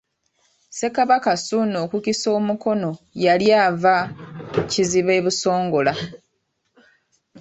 Ssekabaka Ssuuna okukisa omukono yali ava Kiziba e Busongola.